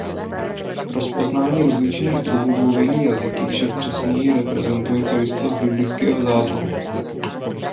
Rozpoznání rozličných druhů mluvení jazyky však přesněji reprezentuje celistvost biblického záznamu.